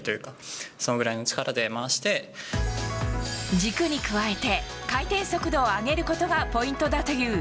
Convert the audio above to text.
軸に加えて回転速度を上げることがポイントだという。